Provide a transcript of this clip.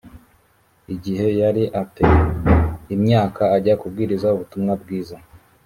igihe yari a te imyaka ajya kubwiriza ubutumwa bwiza